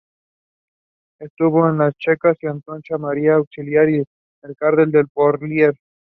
Estuvo en las checas de Atocha, María Auxiliadora y en la Cárcel de Porlier.